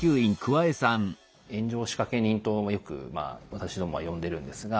炎上仕掛け人とよくまあ私どもは呼んでるんですが。